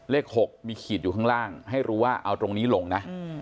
เลข๖มีขีดอยู่ข้างล่างให้รู้ว่าเอาตรงนี้ลงนะ